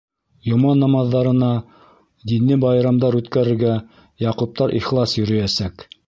Йома намаҙҙарына, дини байрамдар үткәрергә яҡуптар ихлас йөрөйәсәк.